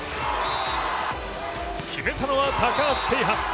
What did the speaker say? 決めたのは高橋慶帆。